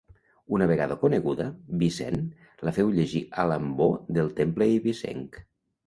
Una vegada coneguda, Vicent la féu llegir a l'ambó del temple eivissenc.